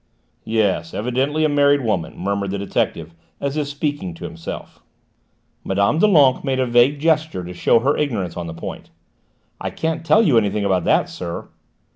"Yes: evidently a married woman," murmured the detective as if speaking to himself. Mme. Doulenques made a vague gesture to show her ignorance on the point. "I can't tell you anything about that, sir."